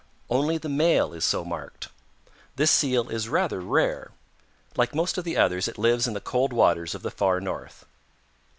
Only the male is so marked. This Seal is rather rare. Like most of the others it lives in the cold waters of the Far North.